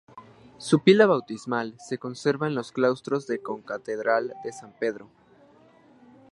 Su pila bautismal se conserva en los claustros de la Concatedral de San Pedro.